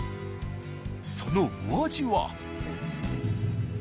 そのお味は？